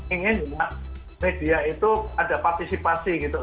ingin juga media itu ada partisipasi gitu